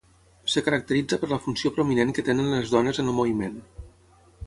Es caracteritza per la funció prominent que tenen les dones en el moviment.